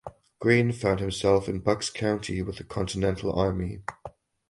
Greene found himself in Bucks County with the Continental Army.